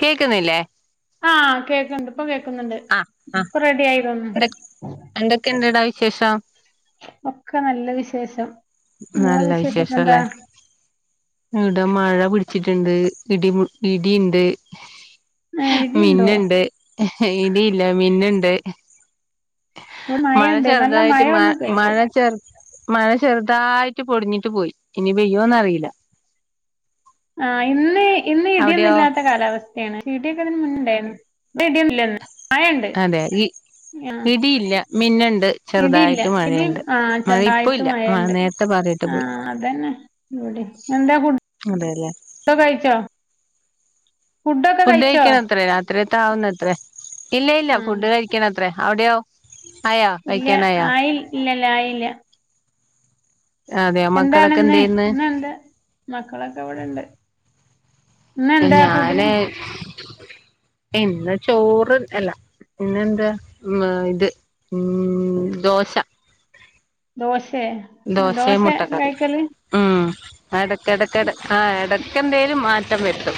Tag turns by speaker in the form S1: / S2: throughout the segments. S1: കേക്കുന്നില്ലേ?
S2: ആഹ് കേൾക്കണ്ട് ഇപ്പ കേക്ക് ക്ക്ന്ന്ണ്ട്
S1: ആഹ് ആഹ്
S2: ഇപ്പോ റെഡി ആയി തോനുന്ന്.
S1: എന്ത എന്തൊക്കെയുണ്ടെടാ വിശേഷം?
S2: ഒക്കെ നല്ല വിശേഷം. നിങ്ങളെ
S1: നല്ല
S2: വിശേഷൊക്കെ എന്താ
S1: വിശേഷല്ലേ ഇവിടെ മഴ പിടിച്ചിട്ടുണ്ട് ഇടിമു ഇടി [unintelligible] ഇണ്ട്
S2: ഏഹ് ഇടിയുണ്ടോ
S1: മിന്നുണ്ട് ഇടിയില്ല മിന്നു [unintelligible]
S2: ഇവിടെ മഴയിണ്ട് നല്ല മഴ
S1: മ
S2: ഒന്ന് പെയ്ത്.
S1: മഴ ചെറു മഴ ചെറുതായിട്ട് പൊടിഞ്ഞിട്ട് പോയി ഇനി പെയ്യോന്നറിയില്ല.
S2: ആ ഇന്ന് ഇന്ന് ഇടിയൊന്നും
S1: അവിടെയോ
S2: ഇല്ലാത്ത കാലാവസ്ഥയാണ്, ഇടിയൊക്കെതിന് മുന്നുണ്ടായിരുന്നു. ടി ടിം ല്ലെന്ന് മഴണ്ട്
S1: അതെ ഇ
S2: ആ
S1: ഇടിയില്ല മിന്നുണ്ട്
S2: ഇടിയില്ല
S1: ചെറുതായിട്ട്
S2: ഇടിം
S1: മഴയുണ്ട്
S2: ആഹ്
S1: മഴ ഇപ്പ
S2: ചെർതായിട്ട്
S1: ഇല്ല മഴ
S2: മഴണ്ട്
S1: നേരത്തെ പാറിയിട്ട്
S2: ആ
S1: പോയി
S2: അതന്നെ ഇവടിം എന്താ ഫു
S1: അതെല്ലേ
S2: ഡ്കഴിച്ചോ?
S1: ഫുഡ് കഴിക്കൻ അത്രേ രാത്രിയത്തെ ആവുന്നത്രേ ഇല്ല ഇല്ല
S2: ആഹ്
S1: ഫുഡ് കഴിക്ക്‌ണ അത്രേ അവിടെയോ ആയോ കഴിക്കാനയോ?
S2: രായില്ല
S1: അതെയോ മക്കളൊക്കെ എന്ത്
S2: എന്താണ്ന്ന്
S1: ചെയ്യുന്ന്
S2: ന്ന് എന്ത മക്കളൊക്കെ ഇവിടെണ്ട് ന്നെന്താ
S1: ഞാന്
S2: ഫുഡ്ഢിന്?
S1: ഇന്ന് ചോറ് അല്ല പിന്നെ എന്താ മ ഇത് ഉം ദോശ
S2: ദോശ്
S1: ദോശയും മുട്ടക്കറി ഉം എടയക്ക ടക്കട ആ എടക് ക്കന്തേലും മാറ്റം വര്തും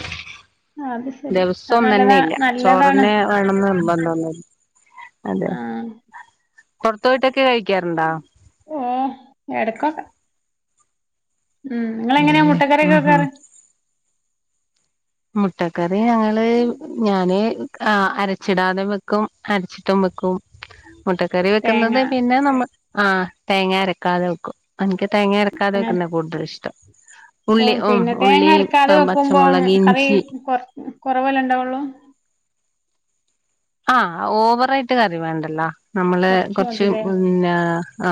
S2: ആഹ് അത് ശരി
S1: ദിവസം
S2: അത്
S1: ഒന്നന്നെ
S2: നല്ലതാ
S1: ഇല്ല
S2: നല്ലതാണ്
S1: ചോറെന്നെ വേണംന്ന് നിർബ ആന്നെ
S2: ആഹ്
S1: കൊറത്തോട്ട് കഴിക്കാറുണ്ടോ
S2: ഓഹ് എടക്കൊക്കെ ഉം നിങ്ങള് എങ്ങനെയാ
S1: അതന്നെ
S2: മുട്ടക്കറിയൊക്കെ
S1: ഉം ഉം
S2: വെക്കാറ്
S1: മുട്ടക്കറി ഞങ്ങള് ഞാന് ആ അരച്ചിടാതെ വെക്കും അരച്ചിട്ടും വെക്കും മുട്ടക്കറി
S2: തേങ്ങ
S1: വെക്കുന്നത് പിന്നെ നമ്മ ആ തേങ്ങ അരക്കാതെ വെക്കും എനക്ക് തേങ്ങ അരക്കാതെ
S2: അങ്ങനെ
S1: വെക്കുന്നതാ കൂടുതൽ ഇഷ്ടം
S2: അപ്പൊ
S1: ഉള്ളി ഉ ഉള്ളി പച്ചമുളകി
S2: ഏ കൊറ കൊറവല്ലെ ഉണ്ടാവുള്ളൂ?
S1: ആ ഓവറായിട്ട് കറി വേണ്ടല്ലോ. നമ്മള് കൊറച്ച് പിന്നേ ആ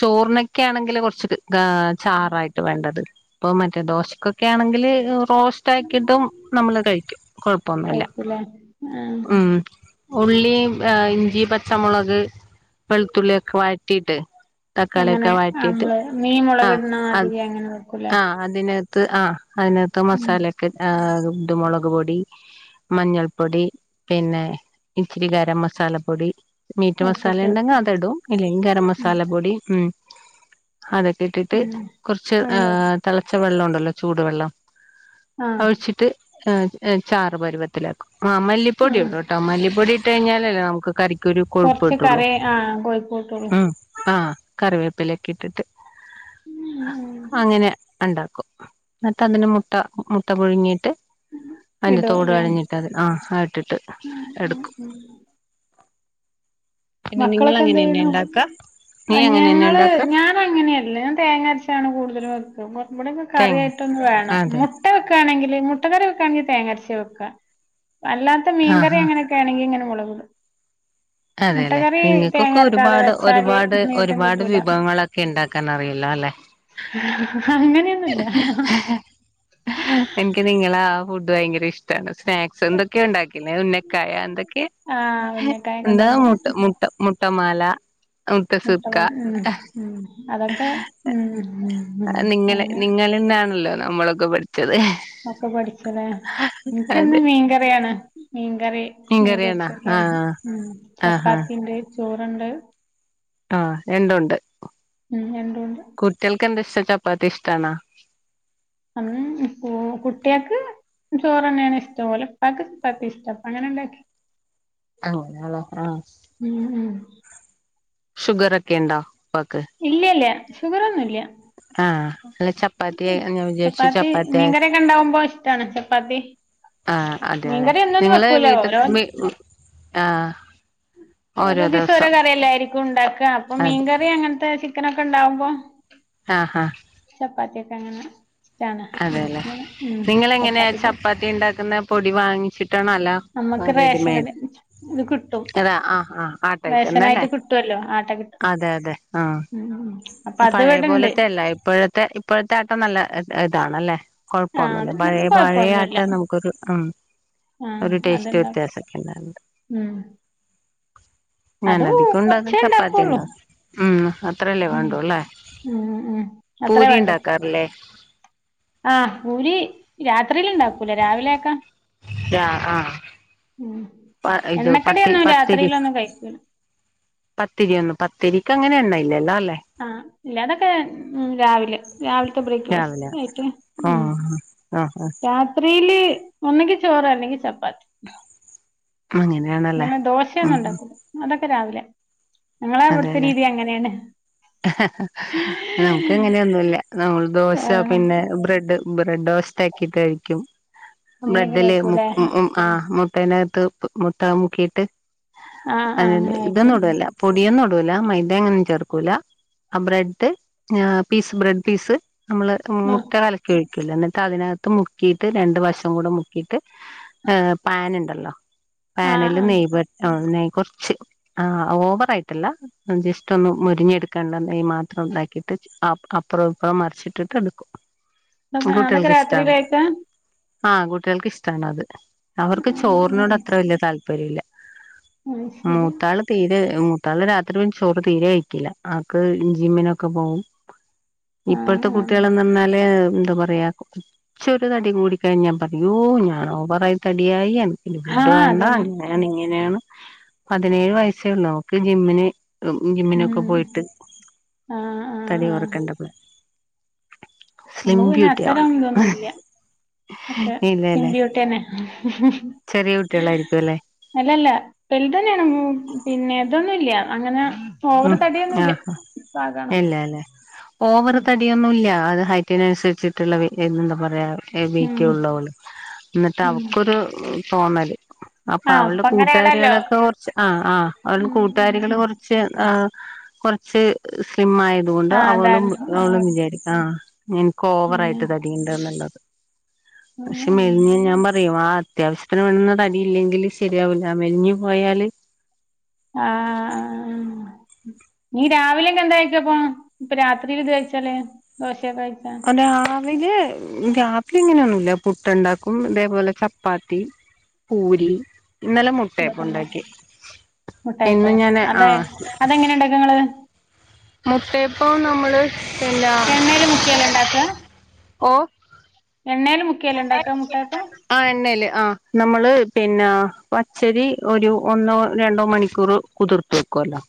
S1: ചോറിനൊക്കെ ആണെങ്കില് കുറച്ച് ആ ചാറായിട്ട് വേണ്ടത് ഇപ്പൊ മറ്റേ ദോശക്കൊക്കെ ആണെങ്കിൽ ഒ റോസ്റ്റാക്കീട്ടും നമ്മള് കഴിക്കും കുഴപ്പവൊന്നും ഇല്ല
S2: കഴിക്കൂലേ ആഹ്
S1: ഉം ഉള്ളീം, ഇഞ്ചി, പച്ചമുളക്, വെളുത്തുള്ളി ഒക്കെ വഴറ്റീട്ട്
S2: അങ്ങനെ നമ്മള് മീൻ
S1: ആഹ്
S2: മുളകിടണ മാതിരി അങ്ങനെ വെക്കൂലേ?
S1: ത് ആഹ് അതിനാത്ത്
S2: ഉം
S1: മസാലൊക്കെ ഇട്ട് ആകും. ഉണ്ട് മുളകുപൊടി മഞ്ഞൾപ്പൊടി പിന്നെ. ഇച്ചിരി ഗരം മസാല പൊടി. മീറ്റ്
S2: ഒക്കെ ഇട്ട്
S1: മസാലണ്ടെങ്കിൽ
S2: വെക്കും
S1: അത് ഇടും, ഇല്ലെങ്കിൽ ഗരം
S2: ഉം
S1: മസാല പൊടി ഉം. അതൊക്കെയിട്ടിട്ട്
S2: ഉം
S1: കുറച്ച്
S2: അങ്ങനെ
S1: ആഹ് തിളച്ച വെള്ളം ഉണ്ടോ. നല്ല ചൂട് വെള്ളം.
S2: ആഹ്
S1: ഒഴിച്ചിട്ട് ആഹ് ഏഹ് ചാറു പരുവത്തിലാക്കും. ആഹ് മല്ലിപ്പൊടി
S2: ആഹ്
S1: ഇട്. മല്ലിപ്പൊടി ഇട്ട് കഴിഞ്ഞാലല്ലേ നമുക്ക് കറി.
S2: കൊറച്ച് കറി ആഹ് കൊഴുപ്പ് കിട്ടുള്ളൂ.
S1: കറിവേപ്പിലെയ്ക്കെ ഇട്ടിട്ട്. അങ്ങനെ ഇണ്ടാക്കും എന്നിട്ട് അതിന്റെ മുട്ട മുട്ട പുഴുങ്ങീട്ട്. അതിന്റെ തോട് കളഞ്ഞിട്ട് അത് ആഹ് ഇട്ടിട്ട്.
S2: ഉം ഉം
S1: എടുക്കും
S2: ഉം
S1: പിന്നെ നിങ്ങൾ
S2: മക്കളൊക്കെ എന്ത്
S1: അങ്ങനെന്നെ
S2: ചെയ്യണു
S1: ഉണ്ടാക്ക നീ
S2: ആ
S1: അങ്ങനെന്നെ
S2: ഞങ്ങള്
S1: ഉണ്ടാക്ക
S2: ഞാൻ അങ്ങനെയല്ല ഞാൻ തേങ്ങരച്ചാണ് കൂടുതലും വെ പിന്നെ ഇവിടൊക്കെ
S1: തേങ്ങ
S2: കറിയായിട്ടൊന്ന് വേണം
S1: അതെ
S2: മുട്ട വെക്കാണെങ്കി മുട്ടക്കറി വെക്കാണെങ്കിൽ തേങ്ങരച്ചാ വെക്ക. അല്ലാത്ത
S1: ആഹ്
S2: മീൻകറി
S1: ആഹ്
S2: അങ്ങനൊക്കെ ആണെങ്കി ഇങ്ങനെ മൊളക് [unintelligible]
S1: അതെല്ലെ? നിങ്ങക്കൊക്കെ ഒരുപാട്
S2: വെച്ചാല്
S1: ഒരുപാട്
S2: നീട്ടം
S1: ഒരുപാട്
S2: കിട്ടൂല
S1: വിഭവങ്ങളൊക്കെ ഇണ്ടാക്കാൻ അറിയല്ലോ അല്ലെ?
S2: അങ്ങനെയൊന്നുല്ല
S1: എനിക്ക് നിങ്ങളെ ആഹ് ഫുഡ് ഭയങ്കര ഇഷ്ടാണ് സ്നാക്സ് എന്തൊക്കെ ഉണ്ടാക്കീലേ ഉന്നക്കായ എന്തൊക്കെ
S2: ആഹ്
S1: ഹേ
S2: ഉന്നക്കായൊക്കെ
S1: എന്താ മുട്ട് മുട്ട മുട്ടമാ ല
S2: മുട്ട മ മ് മ് അതൊക്കെ മ് മ് മ്അങ്ങെ
S1: നിങ്ങളിന്നാണല്ലോ നമ്മളൊക്കെ പട്
S2: ഒക്കെ പഠിച്ചല്ലേ
S1: അതെ
S2: എനിക്കെന്നും മീൻകറിയാണ് മ്- കറി മീൻ
S1: മീൻകറിയാണോ
S2: പൊരിച്ച ഒക്കെ ഒ
S1: ആഹ്
S2: മ്
S1: ആഹ്
S2: ചപ്പാത്തി ഇണ്ട്- ചോറൊണ്ട്-
S1: ആഹ് രണ്ടുമൊണ്ട്
S2: ഉം രണ്ടുണ്ട്
S1: കുട്ടികൾക്ക് എന്താ ഇഷ് ചപ്പാത്തിഷ്ടാണാ?
S2: ആ കു കുട്ടികക്ക് ചോറ് തന്നെയാണ് ഇഷ്ടം ഓല ഉപ്പാക്ക് ചപ്പാത്തി ഇഷ്ടം അങ്ങനെ ഇണ്ടാക്കി-
S1: അങ്ങനാ ഒള്ളെ ആഹ്-
S2: ഉം ഉം
S1: ഷുഗർ ഒക്കെണ്ടോ?
S2: ഇല്ലി ഇല്ല ഷുഗറൊന്നുല്യാ-
S1: ആഹ് അല്ല ചപ്പാത്തി ഞാൻ വിചാരിച്ചു
S2: ചപ്പാത്തി, മീൻകറിയൊക്കെ ഉണ്ടാവുമ്പോ ഇഷ്ടാണ് ചപ്പാത്തി
S1: ആഹ് അതെല്ലെ
S2: മീൻകറി എന്നും എന്നും
S1: നിങ്ങള്
S2: വെക്കൂല
S1: വീട്ട്
S2: ഓരോ
S1: വീ ആഹ്
S2: ഓരോ ദിവസം ഓരോ കറിയല്ലേയായിരിക്കും ഉണ്ടാക്കുക അപ്പൊ
S1: അതെ
S2: മീൻകറി അങ്ങന് ചിക്കനൊക്കെ ഉണ്ടാവുമ്പോ-
S1: ആഹ് ഹ
S2: ചപ്പാത്തിയെക്ക അങ്ങന-
S1: അതെല്ലെ നിങ്ങൾ എങ്ങനെയാ ചപ്പാത്തി ഇണ്ടാക്കുന്നെ പൊടി വാങ്ങിച്ചിട്ടാണോ അല്ലാ ആ
S2: നമ്മുക്ക് റേഷൻ കട
S1: റെഡിമെയ്ഡ്
S2: ഇത് കിട്ടും
S1: അതെ ആ ആ ആട്ടായിട്ട് എന്നല്ലേ
S2: റേഷനായിട്ട് കിട്ടുവല്ലോ ആട്ട കിട്ടും
S1: അതെ അതെ ആ
S2: ഉം ഉം അപ്പൊ അത്
S1: പഴയ
S2: ഇവിടെണ്ട്
S1: പോലത്തേ അല്ല ഇപ്പോഴത്തെ ഇപ്പോഴത്തെ ആട്ട നല്ല- ഇതാണല്ലേ
S2: ആഹ്
S1: കൊഴപ്പൊന്നുല്ല
S2: അത്
S1: പഴയ പഴയ ആട്ട
S2: കൊഴപ്പൊന്നുല്ല
S1: നമുക്കൊരു മ്
S2: ആഹ്
S1: ഒരു ടേസ്റ്റ്
S2: അത്ണ്ടാവും
S1: വ്യത്യാസൊക്കെ ഉണ്ടാറുണ്ട്-
S2: ഉം
S1: ഞാൻ
S2: അത്
S1: അധികം ഒണ്ടാക്കുന്ന
S2: കൊറച്ചേ
S1: ചപ്പാത്തി
S2: ഉണ്ടാക്കുള്ളൂ
S1: കൊണ്ടാ ഉം അത്രല്ലേ
S2: ഉം
S1: വേണ്ടുവല്ലേ
S2: ഉം ഉം അത്രേ
S1: പൂരി
S2: വേണ്ടു
S1: ഇണ്ടാക്കാറില്ലേ
S2: ആഹ് പൂരി രാത്രിയില് ഇണ്ടാക്കൂല രാവിലെക്കാ-
S1: ആഹ് ആഹ് പ ഇത് പത്തി
S2: എണ്ണക്കടിയൊന്നും
S1: പത്തിരി
S2: രാത്രിയിലൊന്നും കഴിക്കൂല
S1: പത്തിരി ഒന്ന് പത്തിരി ക്ക് അങ്ങനെ എണ്ണയില്ലല്ലോ അല്ലേ
S2: ആഹ് ഇല്ല അതൊക്കെ മ് രാവിലെ രാവിലത്തെ ബ്രേക്ക്ഫാസ്റ്റ്
S1: രാവിലെ
S2: ആയിട്ട് മ്
S1: ആഹ് ആഹ്
S2: രാത്രിയില്- ഒന്നുങ്കി ചോറ് അല്ലെങ്കി ചപ്പാത്തി
S1: അങ്ങനെയാണല്ലേ
S2: ഇങ്ങനെ ദോശയൊന്നും
S1: ഉം
S2: ഉണ്ടാക്കൂല അതൊക്കെ- [unintelligible] രാവിലെ ഞങ്ങളെ ഇവിടുത്തെ
S1: അതെല്ലെ
S2: രീതി അങ്ങനെയാണ്
S1: നമുക്ക് എങ്ങനെയൊന്നുമല്ല നമ്മൾ ദോശ
S2: ആഹ്
S1: പിന്നെ ബ്രെഡ് ബ്രെഡോ [unintelligible] കഴിക്കും
S2: അങ്ങനെയൊക്കെ
S1: ബ്രെഡിൽ മു
S2: കഴിക്കൂല്ലേ
S1: മു ആ ബ്രെഡിനകത്ത് മുട്ട മുക്കിയിട്ട്
S2: ആഹ്
S1: അത്‌
S2: ആഹ്
S1: തന്നെ
S2: അങ്ങനെ
S1: ഇതൊന്നും
S2: കഴിക്കും
S1: ഇടൂല ല്ല പൊടിയൊന്നും ഇടൂല മൈദ അങ്ങനെ ഒന്നും ചേർക്കുല ബ്രെഡ് പീസ് ബ്രെഡ് പീസ് നമ്മള്
S2: ആഹ്
S1: മുട്ട കലക്കി ഒഴി - ക്കില്ല എന്നിട്ടതിനാത്തും മുക്കീട്ട് രണ്ട് വശം കൂടെ മുക്കീട്ട് ഏഹ് പാനുണ്ടല്ലോ
S2: ആഹ്
S1: പാനില്
S2: ആഹ്
S1: നെയ്യ് പുരട്ടണം നെയ്യ് കൊറച്ച് ആ ഓവർ പ്പായിട്ടല്ല ഏഹ് ജസ്റ്റൊന്ന് മൊരിഞ്ഞെടുക്കേണ്ട നെയ്യ് മാത്രം ഇതാക്കിയിട്ട് അ അപ്പുറോം ഇപ്പറോം മറിച്ചിട്ടിട്ട് എടുക്കും
S2: [unintelligible] അതൊക്കെ രാത്രി കഴിക്കാ
S1: ആഹ് കുട്ടികൾക്ക് ഇഷ്ട്ടാണത് അവർക്ക്
S2: ആഹ്
S1: ചോറിനോട് അത്ര വല്ല്യ താൽ പരില്ലാ
S2: അത് ശരി
S1: മൂത്താള് തീരെ എമ്മൂ മൂത്താള് രാത്രി പിന്നെ ചോറ് തീരെ കഴിക്കില്ല ആക്ക് ജിമ്മിനൊക്കെ പോവും
S2: ആഹ്
S1: ഇപ്പഴത്തെ
S2: ആഹ്
S1: കുട്ടികളെന്ന് പറഞ്ഞാല് എന്താ പറയാ കൊറച്ചൊരു തടി കൂടിക്കഴിഞ്ഞാ പറയും ഉയ്യോ ഞാൻ ഓവറായി തടിയായി എ പിന്നെ ഫുഡ്
S2: ആഹ്
S1: വേണ്ടാ
S2: അതന്നെ
S1: അങ്ങനെയാണ് ഇങ്ങനെയാണ് പതിനേഴ് വയസ്സേ ഉള്ളോ ക്ക് ജിമ്മിന് ഏഹ് ജിമ്മിനൊക്കെ
S2: ഉം
S1: പോയിട്ട്
S2: ആഹ് ആഹ്
S1: തടി കുറക്കണ്ടപ്പോ
S2: നമ്മുക് പിന്നെ അത്തരം ഇതൊന്നുല്ല്യ ഒക്കെ സ്ലിം
S1: ഇല്ലല്ലേ
S2: ബ്യൂട്ടി എന്നെ
S1: ചെറിയ കുട്ടികളായിരിക്കും അല്ലേ
S2: അല്ലല്ല വലുതന്നെയാണ് പിന്നെ ഇതൊന്നുല്ല്യ അങ്ങനെ ഓവറ്
S1: ഉം ആ
S2: തടിയൊന്നുംല്ല പാകാണ്
S1: ഇല്ലാലേ ഓവറ്
S2: ഉം
S1: തടിയൊന്നുല്ല്യ അത് ഹയ് റ്റിനനുസരിച്ചിട്ടുള്ള വെ എന്താ [unintelligible] വേറെ കെ വെയിറ്റ്
S2: ഉം
S1: ഒള്ളുവള് ന്നിട്ട്
S2: ഉം
S1: അവക്കൊരു തോന്നല് അപ്പൊ
S2: ആഹ് ഇപ്പ
S1: അവൾടെ
S2: അങ്ങനെയാണല്ലോ
S1: കൂട്ടുകാരികളൊക്കെ കൊറച്ച് ആ ആ അവളുടെ
S2: ഉം ഉം
S1: കൂട്ടുകാരികള്
S2: ഉം
S1: കൊറച്ച് ആ കൊറച്ച് സ്ലിം ആയതുകൊണ്ട്
S2: ആഹ്
S1: അവളും
S2: അതാണ് ആഹ്
S1: അവളും വിചാരി ആ നിനക്ക്
S2: പിന്നെ
S1: ഓവറായിട്ട് തടീണ്ട്ന്നുള്ളത് പക്ഷെ മെലിഞ്ഞ ഞാൻ പറയും ആ അത്യാവശ്യത്തിന് വേണ്ടുന്ന തടിയില്ലെങ്കില് ശരിയാവൂല മെലിഞ്ഞു പോയാല്
S2: ആ നീ രാവിലൊക്കെ എന്താഴിക്കപ്പോ ഇപ്പ രാത്രില് ഇത് കഴച്ചാല് ദോശ ക്ക് കഴിച്ചാ
S1: ന്നില് ഉം രാത്രിങ്ങനെയൊന്നുല്ല പുട്ട് ണ്ടാക്കും തേപോലെ ചപ്പാത്തി പൂരി ഇന്നലെ മുട്ടയപ്പം
S2: ന്തൊക്കെണ്ടാ
S1: ഉണ്ടാക്കി ഇന്ന്
S2: മുട്ടയപ്പോ
S1: ഞാന്
S2: അതെ അതെങ്ങനെയുണ്ടാക്കങ്ങള്
S1: മുട്ടയപ്പംനമ്മള്
S2: എണ്ണേല് മുക്കിയല്ലേ ഉണ്ടാക്കുക
S1: [unintelligible] ഓ
S2: എണ്ണേല് മുക്കിയല്ലേ ഇണ്ടാക്കാ മുട്ടായപ്പം
S1: ആ എണ്ണേല് ആ നമ്മള് പിന്നെ പച്ചരി ഒരു ഒന്നോ രണ്ടോ മണിക്കൂർ കുതിർത്ത് വെക്കു അല്ലോ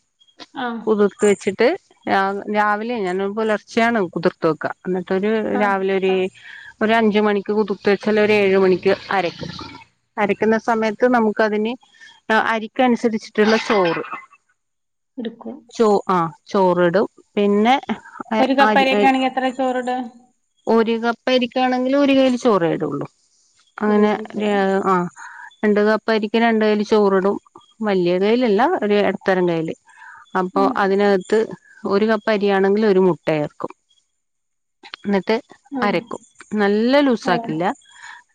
S2: ആഹ്
S1: കുതിർത്ത് വെച്ചിട്ട് രാ രാവിലെ ഞാന് പുലർച്ചെയാണ് കുതിർത്ത വക്ക അന്നട്ടൊരു
S2: ആഹ്
S1: രാവിലെ ഒര് ഒരു അഞ്ചു മണി കുതുർത്തുവെച്ചാൽ ഒരേഴുമണിക്ക് അരക്കും അരക്കുന്ന സമയത്ത് നമുക്ക് അതിന് അരിക്കനുസരിച്ചിട്ടുള്ള ചോറ്
S2: എടുക്കും
S1: ചോ ആ ചോറിടും പിന്നെ
S2: ഒരു കപ്പ്
S1: അരി
S2: അരിയൊക്കെയാണെങ്കി എത്രെ ചോറ് ഇടും
S1: പ്പരിക്കാണെങ്കില് ഒരു കൈല് ചോറെടുള്ളൂ
S2: ഒരു
S1: അങ്ങനെ
S2: കിലോ ചോറ്
S1: ആ രണ്ട് കപ്പ് അരിക്ക് രണ്ട് കയ്യില് ചോറിടും വലിയ കയ്യിലല്ല ഒരു ഇടത്തരം കൈയില് അപ്പൊ
S2: ആഹ്
S1: അതിനകത്ത് ഒരു കപ്പ് അരിയാണെങ്കിൽ ഒരു മുട്ട ചേർക്കും നിർ ട്ട്
S2: ആഹ്
S1: അരക്കും നല്ല ലൂസ
S2: ആഹ്
S1: സാക്കില്ല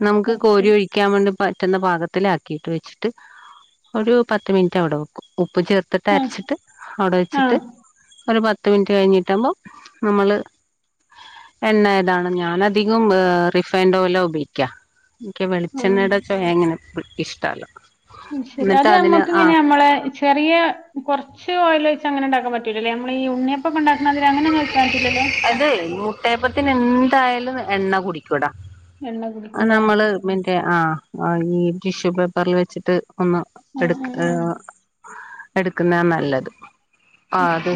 S1: നമുക്ക്
S2: കൊറച്ച്
S1: കോരി ഒഴിക്കാൻ വേൺ പറ്റുന്ന ഭാഗത്തിലാക്കിട്ട് വെച്ചിട്ട് ഒരു പത്ത് മിനിറ്റ് അവിടെ വെക്കും ഉപ്പ് ചേർത്തിട്ട്
S2: ആഹ്
S1: അരച്ചിട്ട് അവിടെ വെച്ചിട്ട്
S2: ആഹ്
S1: ഒരു പത്ത് പത്ത് മിനിറ്റ് കഴിഞ്ഞിട്ട് ആവുമ്പോ നമ്മള് എണ്ണ ഏതാണ് ഞാനധികം റിഫ് ഫൈൻഡ് ഓയിലാ ഉപോഗിക്ക എനിക്ക്
S2: ആഹ്
S1: വെളിച്ചെണ്ണയുടെ ചൊക അങ്ങനെ പി ഇഷ്ടല്ല
S2: ശരി
S1: എന്നിട്ട്
S2: അത്
S1: അതിന് ആ
S2: നമ്മക്കിങ്ങനെ നമ്മളെ ചെറിയ കൊറ ച്ച് ഓയില് വെച്ച് അങ്ങനെ ഇണ്ടാക്കാൻ പറ്റൂല്ലല്ലേ നമ്മളീ ഉണ്ണിയപ്പൊക്കെ ഇണ്ടാക്ക
S1: അത് ന്യൂട്ടപ്പത്തി എന്തായാലും എണ്ണ കുടിക്കൂടാ
S2: എണ്ണ കുടിക്കൂലേ ആഹ്
S1: നമ്മള് മറ്റേ ആ ആ ഈ ടിഷ്യൂ പേപ്പറിൽ വെച്ചിട്ട് ഒന്ന് എടുക്ക
S2: ആഹ്
S1: ഏ
S2: ആഹ്
S1: എടുക്കുന്ന നല്ലത് ആഹ് അത്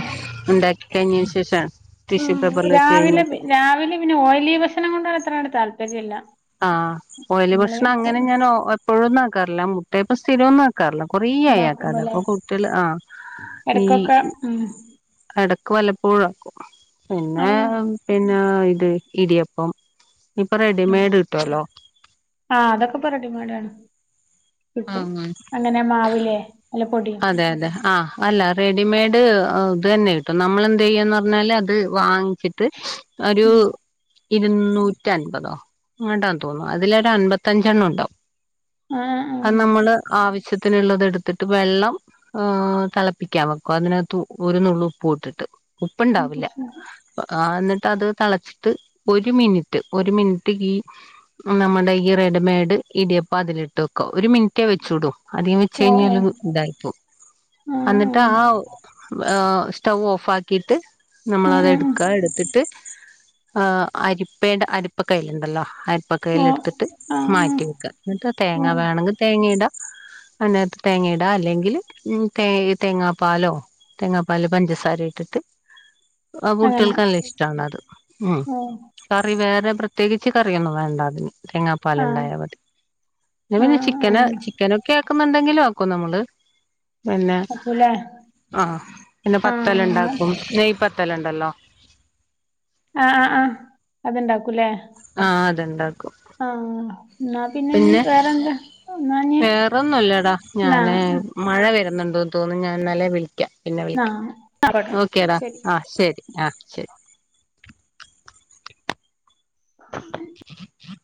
S1: ഉണ്ടാക്കി കഴിഞ്ഞതിന് ശേഷം ടിഷ്യൂ പേപ്പറിൽ വെച്ച്
S2: രാവിലെ
S1: കഴിഞ്ഞിട്ട്
S2: രാവിലെ പിന്നെ ഓയിലി ഭക്ഷണങ്ങളോട് എത്ര താല്പ ൽപര്യല്ല
S1: ആ ഓയിലി ഭക്ഷണം അങ്ങനെ ഞാൻ ഓ എപ്പോഴും ഒന്നും അ ക്കറില്ല മുട്ട ഇപ്പ സ്ഥിരമോന്നും അ റില്ല കൊറേ ആയി ആക്കാതെ
S2: ഇണ്ടാക്കുമ്പല്ലേ
S1: അപ്പൊ കുട്ട്യകള് ആ ഈ
S2: എടക്കൊക്കെ ഉം
S1: ഇടക്ക് ക്ക് വല്ലപ്പോഴും ആക്കും പിന്നെ
S2: ഔ
S1: പിന്നെ ട്ട് ഇടിയപ്പം ഇപ്പൊ റെഡിമേയ്ട്
S2: ആ അതൊക്കെ ഇപ്പ റെഡിമെയ്ട് ആണ് കിട്ടും അങ്ങനെ മാവ് ലേ
S1: അതെ അതെ ആ അല്ല റെഡിമെയ്ഡ് ഇത് അതന്നെ കിട്ടും നമ്മള് എന്ത ചെയ്യന്ന് പറഞ്ഞാല് അത് വാങ്ങിച്ചിട്ട് ഒരു
S2: ഉം
S1: ഇരുന്നൂറ്റി അൻപതോ ങ്ങാണ്ടാണെന്ന് തോന്നുന്നു അതിലൊരു അൻമ്പത്തഞ്ചെണ്ണം ഉണ്ടാവും
S2: ആഹ്
S1: ആ
S2: ആഹ്
S1: നമ്മള് ആവശ്യ ത്തിനുള്ളത് എടുത്തിട്ട് വെള്ളം ആഹ് തിളപ്പിക്കാൻ വെക്കും അതിനകത്തു ഒരു നുള്ള് ഉപ്പ് ഇട്ടിട്ട് ഉപ്പുണ്ടാവില്ല ആ എന്നിട്ട് അത് തിളച്ചിട്ട് ഒരു മിനിറ്റ് ഒരു മിനിറ്റ് ഈ നമ്മുടെ ഈ റെഡിമേഡ് ഇടിയപ്പം അതിലിട്ട് വെക്കുവാ ഒരു മിനിറ്റേ വെച്ചൂടൂ. അധികം വെച്ച്
S2: ഓ ഓ
S1: കഴിഞ്ഞാല് ഇതായിപ്പോം
S2: ആഹ്
S1: എന്നിട്ട്
S2: ആഹ്
S1: ആ ഓ ആ സ്റ്റൗ ഓഫ് ആക്കിയിട്ട് നമ്മള്
S2: ഉം
S1: അത്
S2: ഉം ഉം
S1: എടുക്കാ എടുത്തിട്ട് ആ അരിപ്പേടെ അരിപ്പ കൈയിലുണ്ടല്ലോ അരി പ്പ കയിൽ
S2: ഓ
S1: എടുത്തിട്ട്
S2: ആഹ് ആഹ്
S1: മാറ്റിവെക്കുക എന്നിട്ട് തേങ്ങ
S2: ഉം
S1: വേണമെങ്കിൽ തേങ്ങയിടാ അതിനാത്ത് തേങ്ങ ഇ ടാ അല്ലെങ്കിൽ ഉം തേ തേങ്ങാപ്പാലോ തേങ്ങാപ്പാലിൽ പഞ്ചസാര ഇട്ടിട്ട് ആ
S2: അങ്ങനെ
S1: കുട്ടികൾക്കെല്ലാ ഇഷ്ടാണത് ഉം
S2: ഓ
S1: കറി വേറെ പ്രത്യേകിച്ച് കറിയൊന്നും വേണ്ടാ അതിന്.
S2: ആഹ്
S1: തേങ്ങാപ്പാലിണ്ടായാ മതി പി പിന്നെ
S2: ആഹ്
S1: ചിക്കന്
S2: ആഹ്
S1: ചിക്കനൊക്കെ ആക്കുന്നുണ്ടേ ങ്കിലോ ക്കോ നമ്മള് പിന്നെ
S2: ആക്കൂലേ
S1: ആ പിന്നെ
S2: ആഹ്
S1: പത്തൽ
S2: എന്നാ
S1: ഉണ്ടാക്കും നെയ് പ ത്തലുണ്ടല്ലോ?
S2: ആ ആ ആഹ് അതുണ്ടാക്കൂലേ?
S1: [unintelligible]
S2: എന്നാ ഇനി
S1: പിന്നെ
S2: വേറെന്താ എന്നാ ഇനി
S1: വേറൊന്നുല്ലടാ
S2: ന്നാ
S1: ഞാന് മഴ വര ണ്ടോന്ന് തോന്നുന്നു ഞാൻ എന്നാലെ വിളിക്കാം പിന്നെ
S2: ന്നാ
S1: വിളിക്ക
S2: ആയിക്കോട്ടെ
S1: ഓക്കേടാ
S2: ശരി
S1: ആഹ് ശരി ആഹ് ശരി